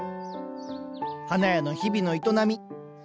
花屋の日々の営み。